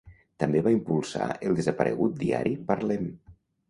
També va impulsar el desaparegut Diari Parlem.